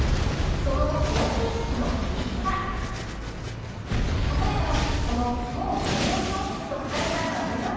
［その高品質の秘密は例えばこの「超低温凍結」と書かれたまぐろ］